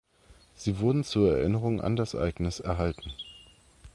Sie wurden zur Erinnerung an das Ereignis erhalten.